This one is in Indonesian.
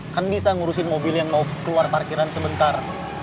kan bisa ngurusin mobil yang mau keluar parkiran sebentar